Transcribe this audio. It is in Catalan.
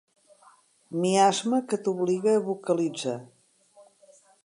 Miasma que t'obliga a vocalitzar.